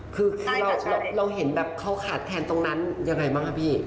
คือเราเห็นแบบเขาขาดแคลนตรงนั้นยังไงบ้างครับพี่